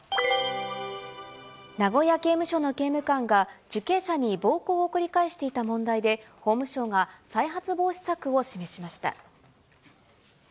名古屋刑務所の刑務官が、受刑者に暴行を繰り返していた問題で、法務省が再発防止策を示しました。